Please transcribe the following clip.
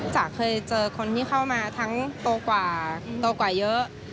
จ๋าเคยเจอคนที่เข้ามาทั้งโตกว่าโตกว่าเยอะ